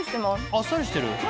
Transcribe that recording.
あっさりしてる？